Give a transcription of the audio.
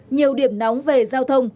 nhiều điểm nóng về giao thông